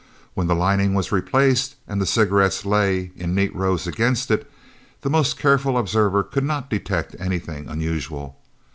When the lining was replaced and the cigarettes lay in neat rows against it, the most careful observer could not detect anything unusual.